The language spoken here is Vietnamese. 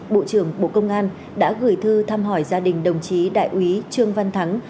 bộ trưởng bộ công an đã gửi thư thăm hỏi gia đình đồng chí đại úy trương văn thắng